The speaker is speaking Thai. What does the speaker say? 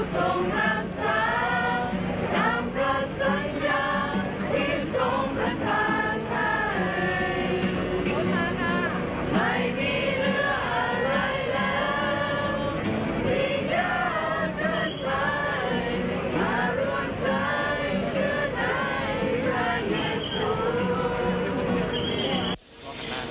ผู้ชมมียาเกินไปข้ารวมใจเชื่อนายรักเท้า